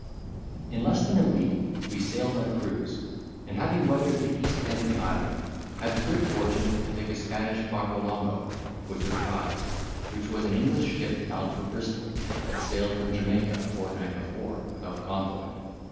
In less than a week we sailed on a cruise, and having weathered the east end of the island, had the good fortune to take a Spanish barcolongo, with her prize, which was an English ship bound for Bristol, that sailed from Jamaica a fortnight before, without convoy.